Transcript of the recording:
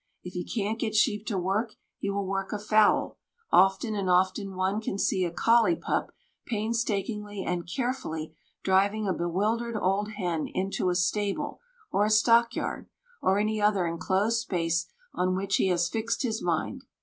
If he can't get sheep to work, he will work a fowl; often and often one can see a collie pup painstakingly and carefully driving a bewildered old hen into a stable, or a stock yard, or any other enclosed space on which he has fixed his mind.